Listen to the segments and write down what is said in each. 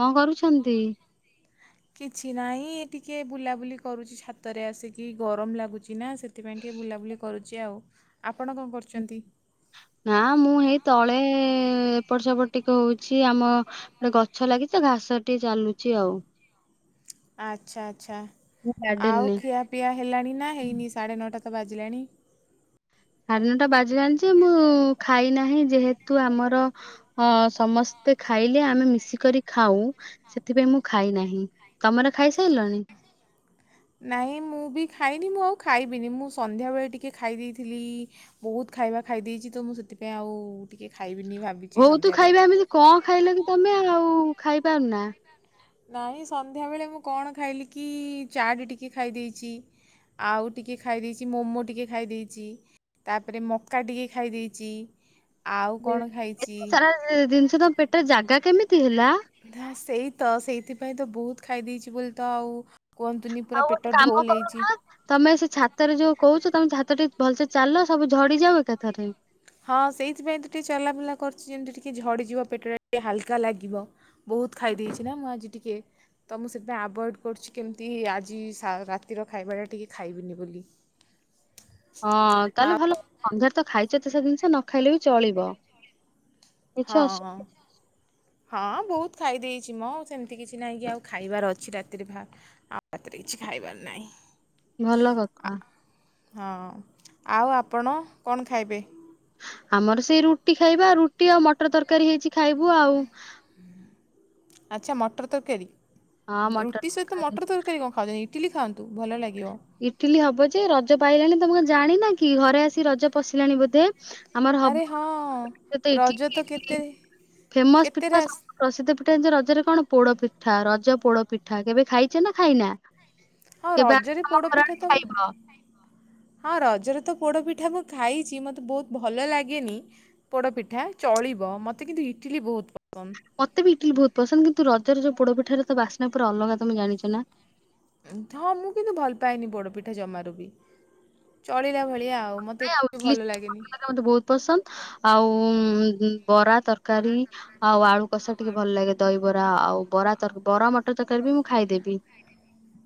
କଂ କରୁଚନ୍ତି? ନ୍ତି କିଛି ନାହିଁ ଏ ଟିକେ ବୁଲାବୁଲି କରୁଚି ଛାତରେ ଆସିକି ଗରମ ଲାଗୁଚି ନା ସେ ଥିପାଇଁ ଟିକେ ବୁଲାବୁଲି କରୁଚି ଆଉ ଆପଣ କଣ କରୁ ନା ମୁଁ ହେଇ ତଳେ ଏପଟ ସେପଟ ଟିକେ ହଉଚି ଆମ ଗୋଟେ ଗଛ ଲାଗିଚି ତ ଘାସରେ ଟିକେ ଚାଲୁଚି ଆଉ। ଆଚ୍ଛା ଆଚ୍ଛା ମୁଁ ଆଉ ଗାର୍ଡେନରେ ଖିଆପିଆ ହେଲାଣି ନା ହେଇନି ସାଢ଼େ ନଅଟା ତ ବାଜିଲାଣି? ସାଢେ ନଅ ଟା ବାଜିଲାଣି ଯେ ମୁଁ ଖାଇ ନାହିଁ ଯେହେତୁ ଆମର ହଁ ସମସ୍ତେ ଖାଇଲେ ଆମେ ମିଶିକରି ଖାଉ। ସେଥିପାଇଁ ମୁଁ ଖାଇ ନାହିଁ ତମର ଖାଇସାରିଲଣି? ନାହିଁ ମୁଁ ବି ଖାଇନି ମୁଁ ଆଉ ଖାଇବିନି ମୁଁ ସନ୍ଧ୍ୟାବେଳେ ଟିକେ ଖାଇ ଦେଇଥିଲି। ବହୁତ ଖାଇବା ଖାଇ ଦେଇେଚି ତ ମୁଁ ସେଥିପାଇଁ ଆଉ ଟିକେ ଖାଇବିନି ଭାବି ବହୁତୁ ଖାଇବା ମିଲ କଣ ଖାଇଲ କି ତମେ ଆଉ ଖାଇପାରୁ ନା? ନାହିଁ ସନ୍ଧ୍ୟାବେଳେ ମୁଁ କଣ ଖାଇଲି କି ଚାଟ ଟିକେ ଖାଇ ଦେଇଚି। ଆଉ ଟିକିଏ ଖାଇ ଦେଇଚି ମୋମୋ ଟିକେ ଖାଇ ଦେଇଚି। ତାପରେ ମକା ଟିକେ ଖାଇ ଦେଇଚି ଆଉ କଣ ଖାଇଚି? ସେ ଜିନିଷ ତମ ପେଟରେ ଜାଗା କେମିତି ହେଲା? ନା, ସେଇ ତ। ସେଇଥିପାଇଁ ତ ବହୁତ ଖାଇ ଦେଇଚି ବୋଲି, ତ ଆଉ କୁହନ୍ତୁନି ଆଉ ପୁରା ଗୋଟେ ପେଟ କାମ ଢୋଲ କର ହେଇଚି। ତମେ ସେ ଛାତରେ ଯୋଉ କୋହୂଚ ତମେ ଛାତରେ ଟିକେ ଭଲସେ ଚାଲ ସବୁ ଝଡି ଯାଉ ଏକାଥରେ। ହଁ ସେଇଥିପାଇଁ ତ ଟିକେ ଚଲାବୁଲା କରୁଛି ଯେମିତି ଟିକେ ଝଡ଼ିଯିବ ପେଟଟା ଟିକେ ହାଲକା ଲାଗିବ। ବହୁତ ଖାଇଦେଇଛି ନା ମୁଁ ଆଜି ଟିକେ। ତ ମୁଁ ସେଥିପାଇଁ ଆଭଏଡ଼୍ କରୁଛି କେମିତି ଆଜି ସା ରାତିର ଖାଇବାଟା ଟିକି ଖାଇବିନି ବୋଲି। ହଁ ତାଲେ ଆଉ ଭଲ ସନ୍ଧ୍ୟାରେ ତ ଖାଇଛ ଏତେ ସା ଜିନିଷ ନ ଖାଇଲେ ବି ଚଳିବ। କିଛି ଅସୁ ହଁଅଁ। ହଁ ବହୁତ ଖାଇ ଦେଇଛି ମ ସେମିତି କିଛି ନାହିଁ କି ଆଉ ଖାଇବାର ଅଛି ରାତିରେ ଭା ଆଉ ରାତି ରେ କିଛି ଖାଇବାର ନାହିଁ। ଭଲ ଆ- କଥା। ହଁ ଆଉ ଆପଣ କଣ ଖାଇବେ? ଆମର ସେଇ ରୁଟି ଖାଇବା ରୁଟି ଆଉ ମଟର ତରକାରୀ ହେଇଛି ଖାଇବୁ ଆଉ। ଆଚ୍ଛା ମଟର ତରକାରୀ ହଁ ମଟର ରୁଟି ସହିତ ତରକାରୀ। ମଟର ତର କାରୀ କଣ ଖାଉଚନ୍ତି ଇଟିଲି ଖଆନ୍ତୁ ଭଲ ଲାଗିବ। ଇଟିଲି ହବ ଯେ ରଜ ପା ଆଇଲାଣି ତମେ ଜାଣିନା କି ଘରେ ଆସି ରଜ ପଶିଲାଣି ବୋଧେ। ଆମର ଆରେ ହଁ ହବ ରଜ ତ କେତେ [unintelligible] ଫେମସ୍ କେତେରେ ପିଠା ଆସ ସବୁ ପ୍ରସିଦ୍ଧ ପିଠା ଏ ଯ ରଜରେ କଣ ପୋଡ଼ପିଠା ରଜ ପୋଡ଼ପିଠା କେବେ ଖାଇଛେ ନା ଖାଇନା? ହଁ କେବେ ଆସ ରଜରେ ଆମ ପୋଡ ଘର ଆଡେ ପିଠା ତ ମ ଖାଇବ। ହଁ ରଜରେ ତ ପୋଡ ପିଠା ମୁଁ ଖାଇଛି ମତେ ବହୁତ ଭଲ ଲାଗେନି। ପୋଡ଼ପିଠା ଚଳିବ ମୋତେ କିନ୍ତୁ ଇଟଲି ବହୁତ ପସନ୍ଦ। ମତେ ବି ଇଟିଲି ବହୁତ ପସନ୍ଦ କିନ୍ତୁ ରଜ ରେ ଯୋଉ ପୋଡ ପିଠାର ତ ବାସ୍ନା ପୁରା ଅଲଗା ତମେ ଜାଣିଚ ନା? ହଁ ମୁଁ କିନ୍ତୁ ଭଲ ପାଏନି ପୋଡ଼ପିଠା ଜମାରୁ ବି ଚଳିଲା ଭଳିଆ ଆଉ ମ ନାଇଁ ଇଟିଲ [unintelligible] ମତେ ବହୁ ପସନ୍ଦ ଆଉ ବରା ତରକାରୀ ଆଉ ଆଳୁ କଷା ଟିକେ ଭଲ ଲାଗେ ଦହିବରା ଆଉ ବରା ତର ବରା ମଟର ତରକାରୀ ବି ମୁଁ ଖାଇଦେବି।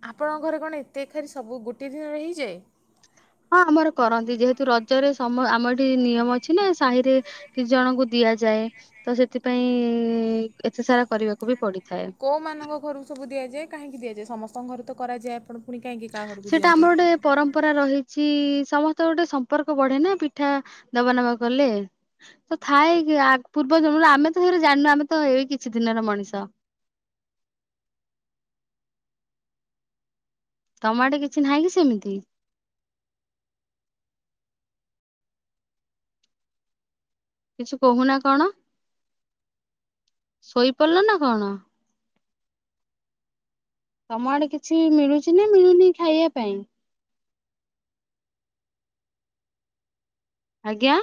ଆପଣଙ୍କ ଘରେ କଣ ଏତେ ଖେର୍ ସବୁ ଗୋଟେ ଦିନରେ ହେଇଯାଏ? ହଁ ଆମର କରନ୍ତି ଯେହେତୁ ରଜରେ ସମ ଆମର ଏଠି ନିୟମ ଅଛି ନା ସାହିରେ କିଛି ଜଣଙ୍କୁ ଦିଆଯାଏ ତ ସେଥିପାଇଁ ଇ ଏତେ ସାରା କରିବାକୁ ବି ପଡିଥାଏ। କୋଉ ମାନଙ୍କ ଘରୁକୁ ସବୁ ଦିଆଯାଏ କାହିଁକି ଦିଆଯାଏ ସମସ୍ତଙ୍କ ଘରେ ତ କରାଯାଏ ପୋଡପି ସେଇଟା ଆମର ଗୋଟେ ପରମ୍ପରା ରହିଛି ସମସ୍ତ ଗୋଟେ ସମ୍ପର୍କ ବଢେ ନା ପିଠା ଦବା ନବା କଲେ। ତ ଥାଏ କି ଆଗ୍ ପୂର୍ବ ଜନ୍ମରୁ ଆମେ ତ ସେଗୁରା ଜାଣିନୁ ଆମେ ତ ଏଇ କିଛି ଦିନର ମଣିଷ। ତମ ଆଡ଼େ କିଛି ନାହିଁ କି ସେମିତି? କିଛି କହୁନା କଣ ଶୋଇପଡ଼ିଲ ନା କଣ? ତମ ଆଡେ କିଛି ମିଳୁଛି ନା ମିଳୁନି ଖାଇବା ପାଇଁ। ଆଜ୍ଞା।